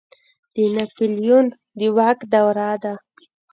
د ناپلیون د واک دوره ده.